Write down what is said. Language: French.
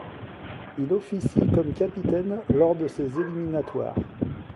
Il officie comme capitaine lors de ces éliminatoires.